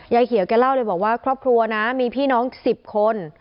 ยายเขียวแกเล่าเลยบอกว่าครอบครัวนะมีพี่น้อง๑๐คน